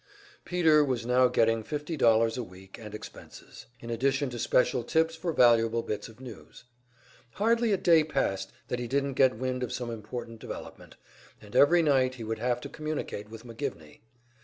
Peter was now getting fifty dollars a week and expenses, in addition to special tips for valuable bits of news. Hardly a day passed that he didn't get wind of some important development, and every night he would have to communicate with McGivney.